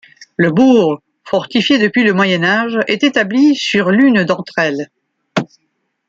Le bourg, fortifié depuis le Moyen Âge, est établi sur l'une d'entre elles.